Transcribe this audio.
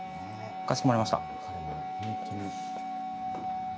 かしこまりました。